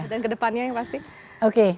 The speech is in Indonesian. dan ke depannya yang pasti